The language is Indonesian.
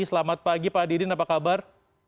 selamat pagi pak didin apa kabar